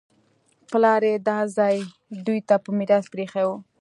پلار یې دا ځای دوی ته په میراث پرېښی و